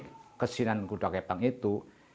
epek kesinan gunda kepang itu